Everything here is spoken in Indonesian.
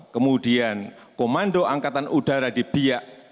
kemudian komando angkatan udara di biak